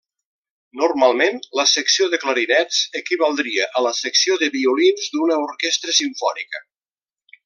Normalment la secció de clarinets equivaldria a la secció de violins d'una orquestra simfònica.